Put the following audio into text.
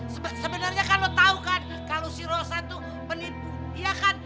sebenernya kan lo tau kan kalau si rosa itu penipu iya kan